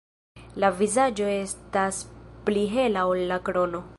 La vizaĝo estas pli hela ol la krono.